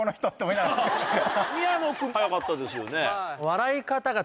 宮野君早かったですよね。